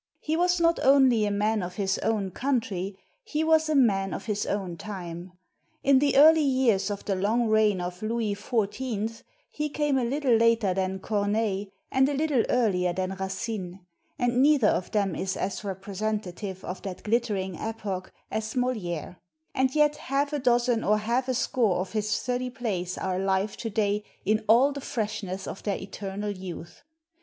He was not only a man of his own country, he was a man of his own time. In the early years of the long reign of Louis XIV he came a little later than Corneille and a little earlier than Racine; and neither of them is as representative of that glittering epoch as Molidre; and yet half a dozen or half a score of his thirty plays ttve today in all the freshness of their eter nal youth.